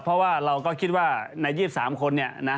เพราะว่าเราก็คิดว่าใน๒๓คน